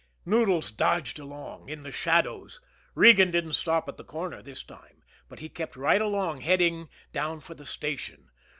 Noodles dodged along in the shadows. Regan didn't stop at the corner this time, but he kept right along heading down for the station.